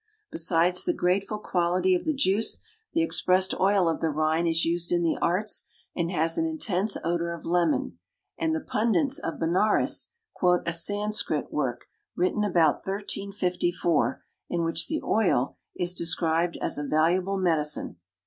Besides the grateful quality of the juice, the expressed oil of the rind is used in the arts and has an intense odor of lemon, and the Pundits of Benares, quote a Sanskrit work, written about 1354, in which the oil is described as a valuable medicine.